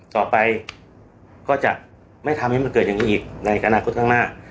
ต่อไปก็จะไม่ทำให้มันเกิดอย่างนี้อีกในอนาคตข้างหน้า